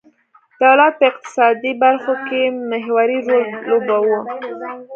دولت په اقتصادي برخو کې محوري رول لوباوه.